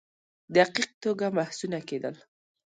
دقیق توګه بحثونه کېدل.